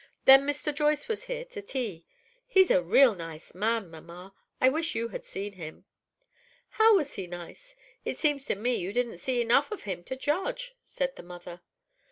Then Mr. Joyce was here to tea. He's a real nice man, mamma. I wish you had seen him." "How was he nice? It seems to me you didn't see enough of him to judge," said her mother.